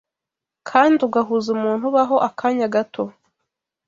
kandi ugahuza umuntu ubaho akanya gato